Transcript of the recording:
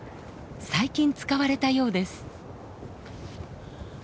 最近使われたようです。